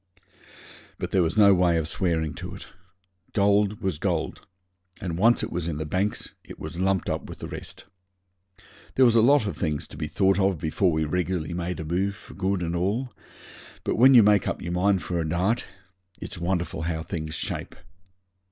But there was no way of swearing to it. Gold was gold, and once it was in the banks it was lumped up with the rest. There was a lot of things to be thought of before we regularly made a move for good and all; but when you make up your mind for a dart, it's wonderful how things shape.